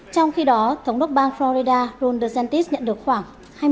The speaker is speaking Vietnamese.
trong khi đó thống đốc bang florida ron desantis nhận được khoảng hai mươi hai